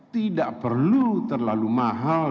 tidak perlu terlalu mahal